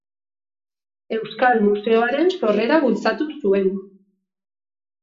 Euskal Museoaren sorrera bultzatu zuen.